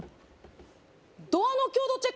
ドアの強度チェック